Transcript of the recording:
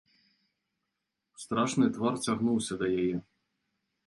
Страшны твар цягнуўся да яе.